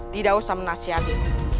tidak usah menasihati